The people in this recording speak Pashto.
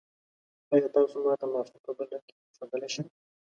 ایا تاسو ما ته محصول په بل رنګ کې ښودلی شئ؟